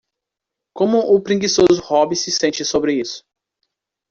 Como o preguiçoso Robbie se sente sobre isso?